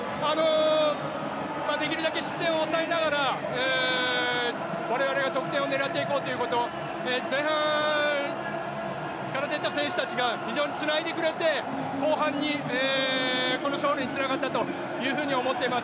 できるだけ失点を抑えながら我々が得点を狙っていこうということ前半から出た選手たちが非常につないでくれて後半にこの勝利につながったというふうに思っております。